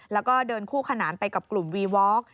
แล้วก็เดินคู่ขนานไปกับกลุ่มวีวอล์ก